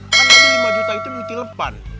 kan tadi lima juta itu duit dilepan